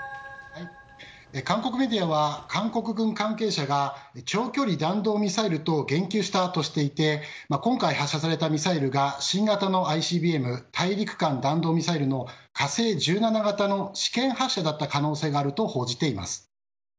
韓国メディアは韓国軍関係者が長距離弾道ミサイルと言及したとしていて今回発射されたミサイルが新型の弾道ミサイル大陸間弾道ミサイルの「火星１７」型の試験発射だった可能性があると報じています。